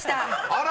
あら！